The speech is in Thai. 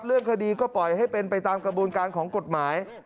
เรื่องคดีก็ปล่อยให้เป็นไปตามกระบวนการของกฎหมาย